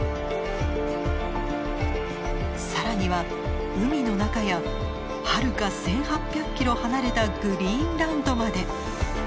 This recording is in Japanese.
更には海の中やはるか１，８００ｋｍ離れたグリーンランドまで。